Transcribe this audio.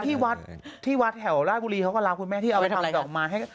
ไม่ที่วัดแถวรายบุรีเขาก็ลาคุณแม่ที่เอาทำแบบ